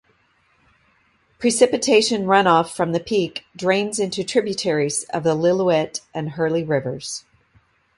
Precipitation runoff from the peak drains into tributaries of the Lillooet and Hurley Rivers.